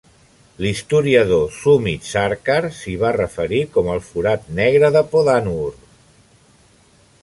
L'historiador Sumit Sarkar s'hi va referir com el "forat negre de Podanur".